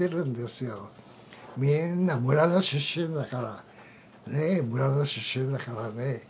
みんな村の出身だからねえ村の出身だからね。